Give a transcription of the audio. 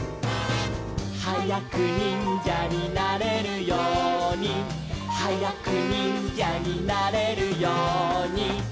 「はやくにんじゃになれるように」「はやくにんじゃになれるように」